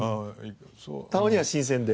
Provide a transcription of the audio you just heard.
たまには新鮮で。